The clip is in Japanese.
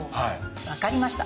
分かりました。